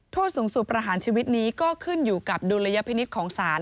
โทษสูงสุดประหารชีวิตนี้ก็ขึ้นอยู่กับดุลยพินิษฐ์ของศาล